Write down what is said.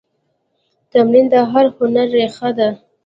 تمرین د هر هنر ریښه ده.